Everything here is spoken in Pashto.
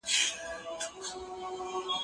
دا غونډۍ تر هغې بلې غونډۍ ډېره زیاته شنه ده.